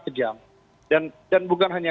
kejam dan bukan hanya